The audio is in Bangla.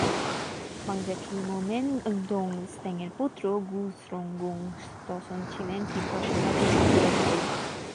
মাং-ব্জা খ্রি-মো-ম্ন্যেন-ল্দোং-স্তেংয়ের পুত্র গুং-স্রোং-গুং-ব্ত্সন ছিলেন তিব্বত সাম্রাজ্যের উত্তরাধিকারী।